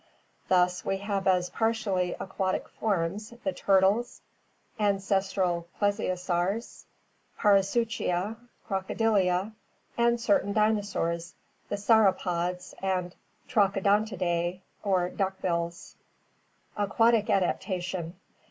Thus we have as partially aquatic forms the turtles, ancestral plesiosaurs (Notho sauria), Parasuchia, Crocodilia, and certain dinosaurs, the Sauro poda and Trachodontidae or duck bills. Aquatic Adaptation.